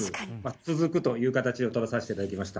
続くという形を取らさせていただきました。